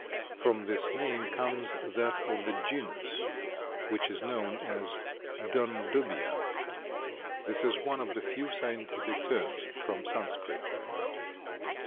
From this name comes that of the genus which is known as Dundubia. This is one of the few scientific terms from Sanskrit.